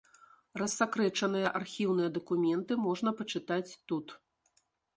Рассакрэчаныя архіўныя дакументы можна пачытаць тут.